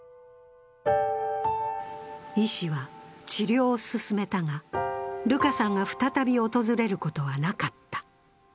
医師は治療を勧めたが、ルカさんが再び訪れることはなかった。